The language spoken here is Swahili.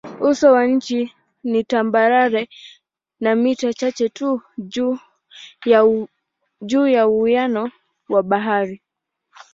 Uso wa nchi ni tambarare na mita chache tu juu ya uwiano wa bahari.